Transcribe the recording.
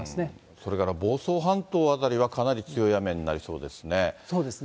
それから房総半島辺りは、かなり強い雨になりそうですね。